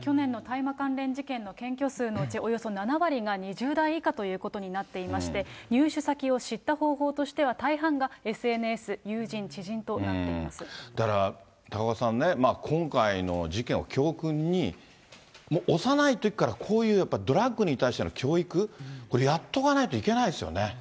去年の大麻関連事件の検挙数のうちおよそ７割が２０代以下となっていまして、入手先を知った方法としては、大半がＳＮＳ、友だから高岡さんね、今回の事件を教訓に、もう幼いときからこういうやっぱりドラッグに対する教育、やっとかないといけないですよね。